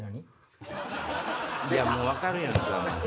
もう分かるやんか。